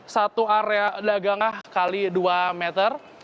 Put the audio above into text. satu area dagangnya kali dua meter